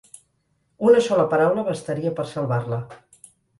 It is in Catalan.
Una sola paraula bastaria per salvar-la.